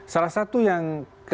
salah satu yang